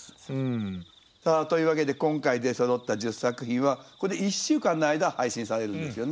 さあというわけで今回出そろった１０作品はこれ１週間の間配信されるんですよね。